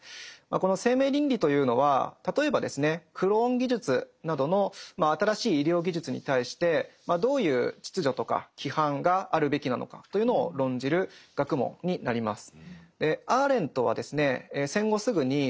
この生命倫理というのは例えばですねクローン技術などの新しい医療技術に対してどういう秩序とか規範があるべきなのかというのを論じる学問になります。